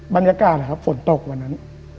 บรรยากาศนะครับฝนตกวันนั้น